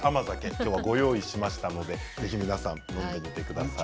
今日はご用意しましたのでぜひ皆さん飲んでみてください。